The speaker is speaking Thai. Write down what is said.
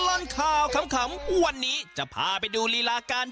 ตลอดข่าวขำวันนี้จะพาไปดูลีลาการ